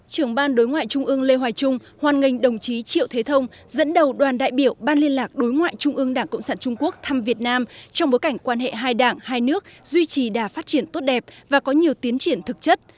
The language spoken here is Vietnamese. trưởng ban đối ngoại trung ương lê hoài trung hoan nghênh đồng chí triệu thế thông dẫn đầu đoàn đại biểu ban liên lạc đối ngoại trung ương đảng cộng sản trung quốc thăm việt nam trong bối cảnh quan hệ hai đảng hai nước duy trì đà phát triển tốt đẹp và có nhiều tiến triển thực chất